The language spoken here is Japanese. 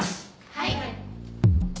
はい。